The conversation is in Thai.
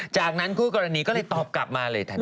จากนั้นคู่กรณีก็เลยตอบกลับมาเลยทันที